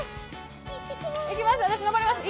行きます